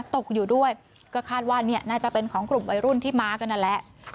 ตกอยู่ด้วยก็คาดว่าเนี่ยน่าจะเป็นของกลุ่มวัยรุ่นที่มากันนั่นแหละ